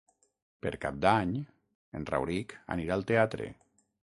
Per Cap d'Any en Rauric anirà al teatre.